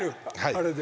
あれで。